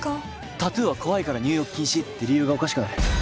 タトゥーは怖いから入浴禁止って理由がおかしくない？